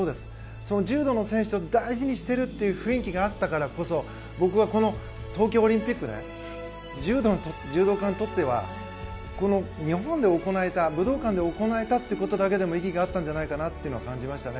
その柔道の選手が大事にしているという雰囲気があったからこそ僕はこの東京オリンピックで柔道家にとってはこの日本で行えた武道館で行えただけでも意義があったんじゃないかなと感じましたね。